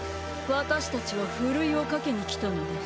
私たちはふるいをかけに来たのです。